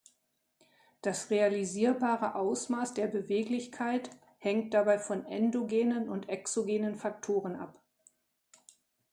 Das realisierbare Ausmaß der Beweglichkeit hängt dabei von endogenen und exogenen Faktoren ab.